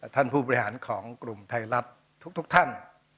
ท่านผู้บริหารของกลุ่มไทยรัฐทุกท่าน